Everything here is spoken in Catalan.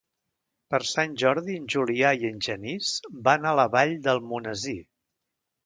Per Sant Jordi en Julià i en Genís van a la Vall d'Almonesir.